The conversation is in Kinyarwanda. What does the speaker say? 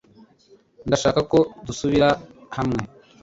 Ndashaka ko dusubira hamwe